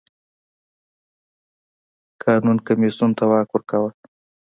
قانون کمېسیون ته واک ورکاوه.